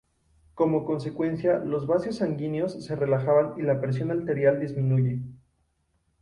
Como consecuencia, los vasos sanguíneos se relajan y la presión arterial disminuye.